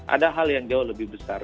ada hal yang jauh lebih besar